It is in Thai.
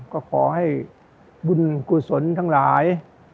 ก็ขอให้บุญกุศลทั้งหลาย